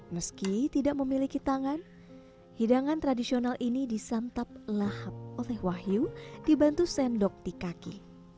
meski tidak memiliki tangan hidangan tradisional ini disantap lahap oleh wahyu dibantu sendok di kaki